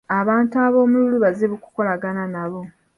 Abantu ab'omululu bazibu kukolagana nabo.